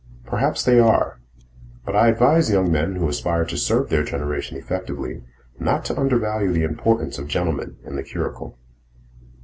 Perhaps they are. But I advise young men who aspire to serve their generation effectively not to undervalue the importance of the gentleman in the curricle.